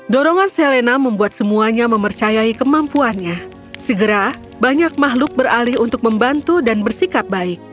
dorongan selena membuat semuanya mempercayai kemampuannya segera banyak makhluk beralih untuk membantu dan bersikap baik